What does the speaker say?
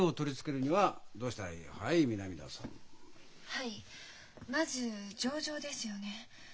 はいまず情状ですよね。